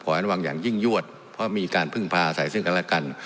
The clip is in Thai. ให้ระวังอย่างยิ่งยวดเพราะมีการพึ่งพาอาศัยซึ่งกันและกัน